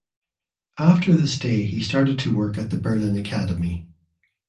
After the stay he started to work at the Berlin Akademie.